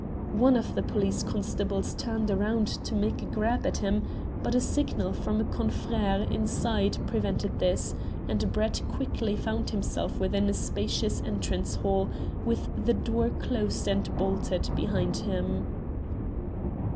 One of the police constables turned round to make a grab at him, but a signal from a confrère inside prevented this, and Brett quickly found himself within a spacious entrance hall with the door closed and bolted behind him.